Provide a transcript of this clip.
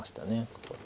ここで。